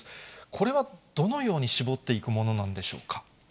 これはどのように絞っていくものなんでしょうか。